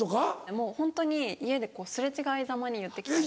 もうホントに家で擦れ違いざまに言って来たりとか。